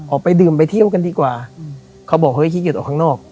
ออกไปดื่มไปเที่ยวกันดีกว่าเขาบอกเฮ้ยคิดหยุดออกข้างนอก